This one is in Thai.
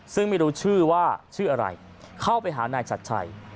ซึ่งไม่รู้ชื่อว่าชื่ออะไรเข้าไปหานายชัดชัย